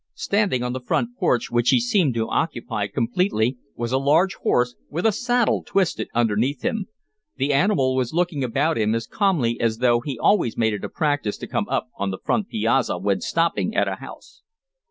Standing on the front porch, which he seemed to occupy completely, was a large horse, with a saddle twisted underneath him. The animal was looking about him as calmly as though he always made it a practice to come up on the front piazza when stopping at a house.